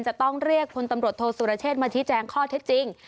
จะต้องเรียกพลตำรวจโทษสุรเชษมาชี้แจงข้อเท็จจริง